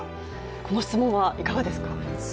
この質問はいかがですか？